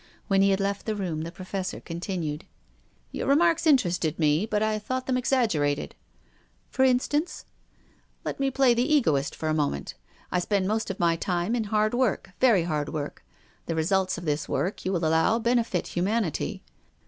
When he had left the room the Professor continued, " Your remarks interested me, but I thought them exaggerated." " For instance ?"*' Let me play the egoist for a moment. 1 PROFESSOR GUILDEA. 275 spend most of my time in hard work, very hard work. The results of this work, you will allow, benefit humanity."